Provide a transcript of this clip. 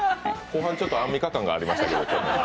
後半、ちょっとアンミカ感がありましたけど。